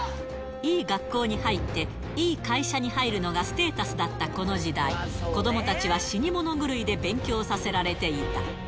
いい学校に入って、いい会社に入るのがステータスだったこの時代、子どもたちは死に物狂いで勉強させられていた。